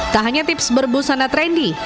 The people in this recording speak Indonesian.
tak hanya tips berbusana trendy